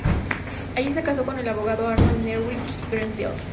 Allí se casó con el abogado Arnold Merwin Greenfield.